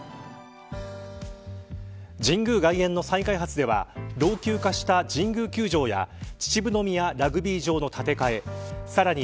神宮外苑の再開発では老朽化した神宮球場や秩父宮ラグビー場の建て替えさらに